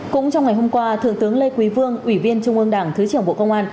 cũng trong ngày hôm qua thượng tướng lê quý vương ủy viên trung ương đảng thứ trưởng bộ công an